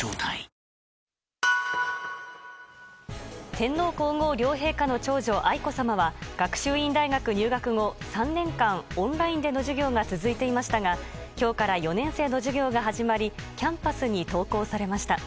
天皇・皇后両陛下の長女・愛子さまは学習院大学入学後、３年間オンラインでの授業が続いていましたが今日から４年生の授業が始まりキャンパスに登校されました。